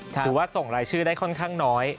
หรือว่าส่งรายชื่อได้ค่อนข้างน้อย